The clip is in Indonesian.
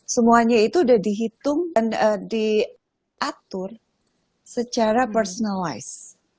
semuanya itu sudah dihitung dan diatur secara personalize